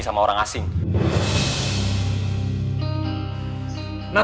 oh apa yang kamu mau